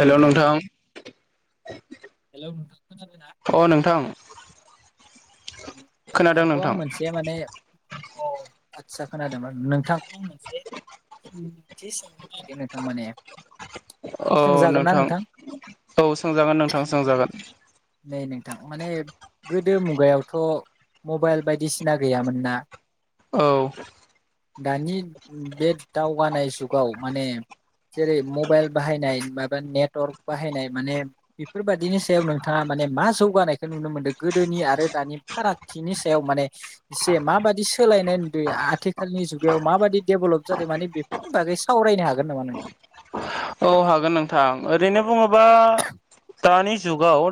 Hello नोंथां hello नोंथां खोनादोंना? अ नोंथां खोनादों नोंथांखौ आं नोंथां मोनसे माने औ आदसा खोनादोंमोन नोंथांखौ आं मोनसेथि सोंथि नागिरदों नोंथां माने औ सोंजागोन ना नोंथां औ सोंजागोन नोंथां सोंजागोन नै नोंथां माने गोदो मुगायावथ' मबाइल बायदिसिना गैयामोन ना औ दानि बे दावगानाय जुगाव माने जेरै मबाइल बाहायनाय माबा नेटवर्क बाहायनाय माने बेफोरबादिनि सायाव नों थाङा माने मा जौगानायखौ नुनो मोनदों गोदोनि आरो दानि फारागथिनि सायाव माने एसे माबादि सोलायनाय नुदों आथिखालनि जुगायाव माबादि डेभेलप जादों माने बेफोरनि बागै सावरायनो हागोन नामा नोंथां। औ हागोन नोंथां ओरैनो बुङोबा दानि जुगाव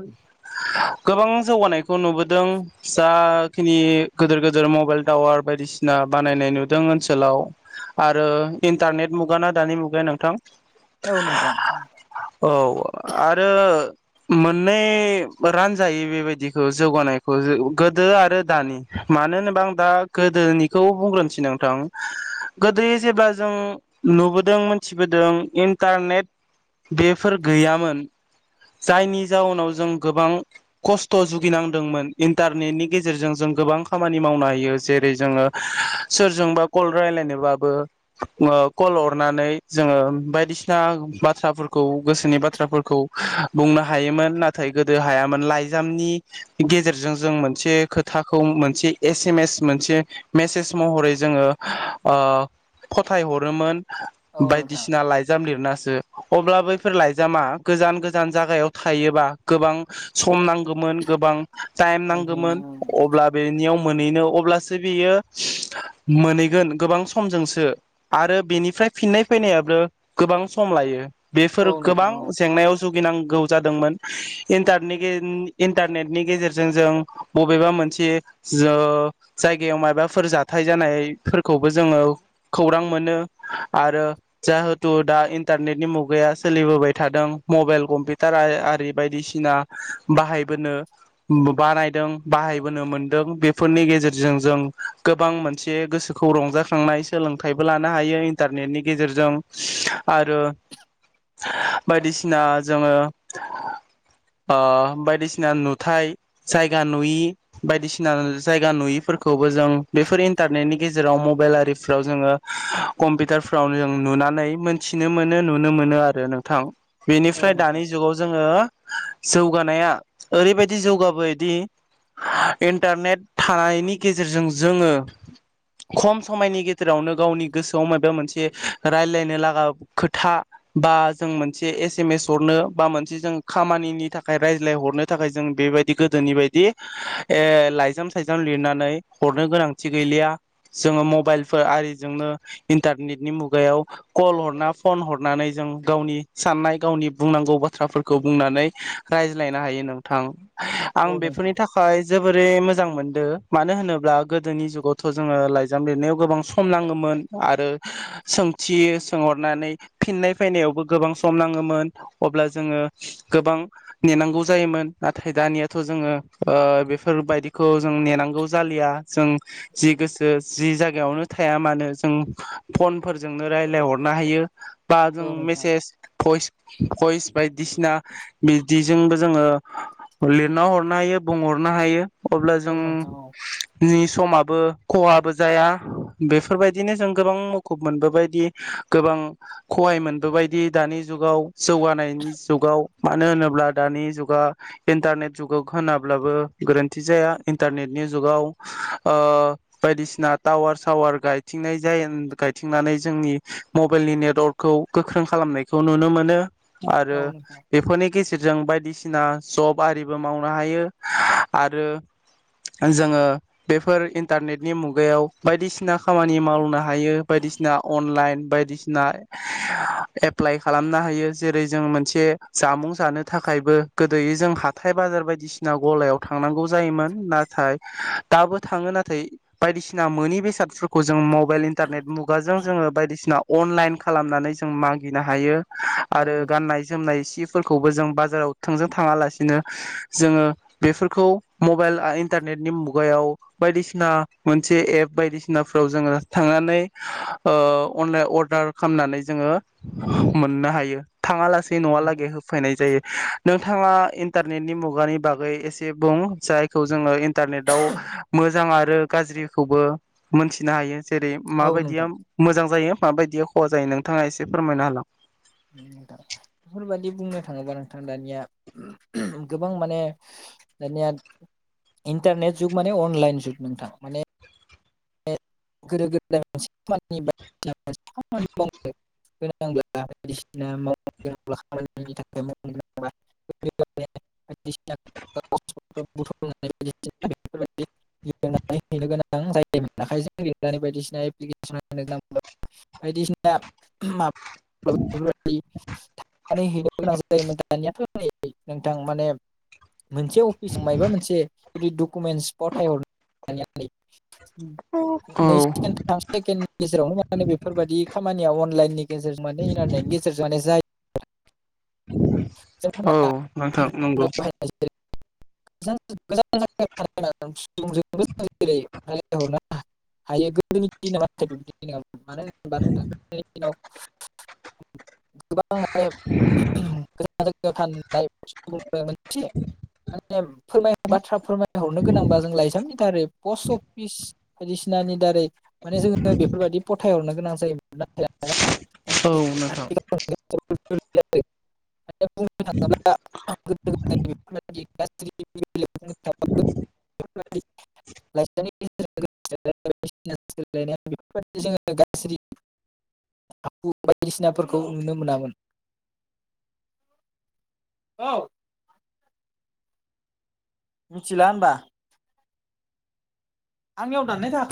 गोबां जौगानायखौ नुबोदों जाखिनि गोदोर-गोदोर मबाइल टावार बायदिसिना बानायनाय नुदों ओनसोलाव आरो इन्टारनेट मुगाना दानि मुगाया नोंथां औ नोंथां औ आरो मोननै रानजायै बेबायदिखौ जौगानायखौ गोदो आरो दानि मानो होनोबा आं दा गोदोनिखौ बुंग्रोनोसै नोंथां गोदो जेब्ला जों नुबोदों मोनथिबोदों इन्टारनेट बेफोर गैयामोन जायनि जाउनाव जों गोबां खस्थ' जुगिनांदोंमोन इन्टारनेटनि गेजेरजों जों गोबां खामानि मावनो हायो जेरै जोंङो सोरजोंबा कल रायलायनोबाबो कल हरनानै जोङो बायदिसि ना बाथ्राफोरखौ गोसोनि बाथ्राफोरखौ बुंनो हायोमोन नाथाय गोदो हायामोन लाइजामनि गेजेरजों जों मोनसे खोथाखौ मोनसे एसमेस मोनसे मेसेज महरै जोंङो फाथायहरोमोन औ नोंथां बायदिसिना लाय लिरनासो अब्ला बैफोर लाइजामा गोजान-गोजान जागायाव थायोबा गोबां सम नांगौमोन गोबां टाइम नांगोमोन मोनहैनो अब्ला बेनियाव मोनहैनो अब्लासो बियो मोनहैगोन गोबां समजोंसो आरो बेनिफ्राय फिननाय फैनायाबो गोबां सम लायो बेफोर औ नोंथां गोबां औ जेंनायाव जुग गिनांगौ जादोंमोन इन्टारनेट-इन्टारनेटनि गेजेरजों जों बबेबा मोनसे जो जायगायाव माबाफोर जाथाय जानायफोरखौबो जोंङो खौरां मोनो आरो जा थ' दा इन्टारनेटनि मुगाया सोलिबोबाय थादों मबाइल कम्पिउटार आरि बायदिसिना बाहायबोनो बानायदों बाहायबोनो मोनदों बेफोरनि गेजेरजों जों गोबां मोनसे गोसोखौ रंजाखांनाय सोलोंथायबो लानो हायो इन्टारनेटनि गेजेरजों आरो बायदिसिना जोंङो ओ बायदिसिना नुथाय जायगा नुयि बायदिसिना जायगा नुयिफोरखौबो जों बेफोर इन्टारनेटनि गेजेराव मबाइल आरिफोराव जोंङो कमपिउटाराव नुना य मोनथिनो मोनो नुनो मोनो आरो नोंथां औ बेनिफ्राय नोंथां दानि जुगाव जोंङो जौगानाया ओरैबायदि जौगाबोायदि इन्टारनेट थानायनि गेजेरजों जोंङो खम समायनि गेजेरावनो गावनि गोसोआव माबा मोनसे रायलायनो लागा खोथा बा जों मोनसे एसमेस हरनो बा मोनसे जों खामानिनि थाखाय रायजलाय हरनो थाखाय जों बेबायदि गोदोनि बायदि लायजाम सायजाम लिरनानै हरनो गोनांथि गैलिया जोंङो मबाइलफोर आरिजोंनो इन्टारनेटनि मुगायाव कल हरना फन हरनानै जों गावनि साननाय गावनि बुंनांगौ बाथ्राफोरखौ बुंनानै रायज्लायनो हायो नोंथां आं औ बेफोरनि नोंथां थाखाय जोबोरै मो जां मोनदों मानो होनोब्ला गोदोनि जुगावथ' जोंङो लाइजाम लिरनायाव गोबां सम नाङोमोन आरो सों थि सोंहरनानै फिननाय फैनायावबो गोबां सम नाङोमोन अब्ला जोंङो गोबां नेनांगौ जायोमोन नाथाय दानियाथ' जोंङो बेफोरबायदिखौ जों नेनांगौ जालिया जों जि गोसो जि जायगायावनो थाया मानो जों फनफोर जोंनो रायज्लायहरनो हायो। बा जों औ नोंथां मेसेज भइस भइस बायदिसिना बिदिजोंबो जोङो लिरना हरनो हायो बुंहरनो हायो। अब्ला जों औ नोंथां औ [inaudible] समाबो खहाबो जाया बेफोरबायदिनो जों गोबां मोखौ मोनबोबायायदि गोबां खहाय मोनबोबायायदि दानि जुगाव जौगानायनि जुगाव मानो होनोब्ला दानि जुगा इन्टारनेट जुगाव होनाब्लाबो गोरोन्थि जाया इन्टारनेटनि जुगाव ओ बायदिसिना टावार सावार गायथिंनाय जायो मिथिंनानै जोंनि मबाइलनि नेटवर्कखौ गोख्रों खालामनायखौ नुनो मोनो। आरो औ नोंथां बेफोरनि गेजेरजों बायदिसिना ना जब आरिबो मावनो हायो आरो जोङो बेफोर इन्टारनेटनि मुगायाव बायदिसिना खामानि मावनो हायो। बायदिसिना अनलाइन बायदिसिना एप्लाइ खालामनो हायो। जेरै जों मोनसे जामुं जानो थाखायबो गोदोै जों हाथाय बाजार बायदिसिना गलायाव थांनांगौ जायोमोन नाथाय दाबो थाङो नाथाय बायदिसिना मोनि बेसाद फोरखौ जों मबाइल इन्टारनेट खुगाजों जोङो बायदिसिना अनलाइन खालामनानै जों मागिनो हायो। आरो औ नोंथां गाननाय जोमनाय इसे फोरखौबो जों बाजाराव थोंजों थाङालासिनो जोङो बेफोरखौ मबाइल इन्टारनेटनि मुगायाव बायदिसिना मोनसे एप बायदिसिनाफ्राव जोङो थांनानै अनलाइन अर्डार खालामनानै जोङो मोननो हायो। थाङा लासेै औ नोंथां न'वालागै होफैनाय जायो। नों नोंथाङा इन्टारनेटनि मुगानि बागै एसे बुं जायखौ जोङो इन्टारनेटाव मोजां आरो गाज्रिखौबो मोनथिनो हायो। जेरै औ माबायदि? नोंथां बिदिया मोजां जायो। माबायदिया खहा जायो नोंथाङा एसे फोरमायनो होलां। [inaudible] थां बेफोरबायादि बुंनो थाङोबा नोंथां दानिया गोबां माने दानिया इन्टारनेट जुग माने अनलाइन जुग नोंथां माने गोदो गोदाय [inaudible] [unintelligible] [unintelligible] बायदिसिना एप्लिकेसन [inaudible] बायदिसिना मा [unintelligible] थांनानै हैनो गोनां जायोमोन दानियाथ नै नोंथां माने मोनसे अफिसाव मायबा मोनसे जुदि डकुमेन्टस फथायहर [inaudible] नै औ नै सेकेन थाम सेकेणडनि गेजेरावनो माने बेफोरबायदि खाम खामानिया अनलाइननि गेजेरजों माने इन्टारनेटनि गेजेरजों माने जायो। औ नोंथां नंगौ। [unintelligible] मानो होनबा नोंथांनि दिनाव [unintelligible] [unintelligible] [unintelligible] मोनसे माने फोरमाय बाथ्रा फोरमायहरनो गोनांबा जों लायजामनि दारै पस्ट अफिस बायदिसिनानि दारै माने जोङो बेफोरबायदि फथायहरनो गोनां जायोमोन नाथाय औ नोंथां। [unintelligible] [unintelligible] [unintelligible] औ। मिथिला होनबा। आंनियाव दाननाय थाखो